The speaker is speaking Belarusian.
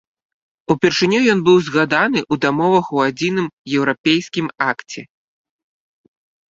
Упершыню ён быў згаданы ў дамовах у адзіным еўрапейскім акце.